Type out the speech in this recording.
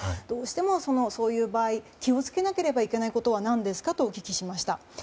どうしても、そういう場合気を付けなければいけないことは何ですかとお聞きしました。